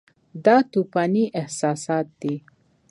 دا توپاني احساسات دي.